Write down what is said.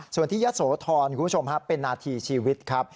ส่วนที่ยะโสธรคุณผู้ชมเป็นนาทีชีวิตครับ